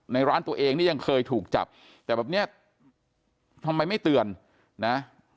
ร้านตัวเองนี่ยังเคยถูกจับแต่แบบเนี้ยทำไมไม่เตือนนะ